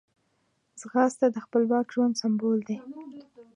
ځغاسته د خپلواک ژوند سمبول دی